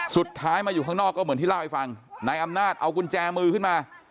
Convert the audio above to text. สุดท้ายมาอยู่ข้างนอกก็เหมือนที่เล่าให้ฟังนายอำนาจเอากุญแจมือขึ้นมา